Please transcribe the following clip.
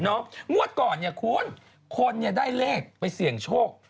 งวดก่อนเนี่ยคุณคนนี่ได้ลเมตรไปเชี่ยงโชค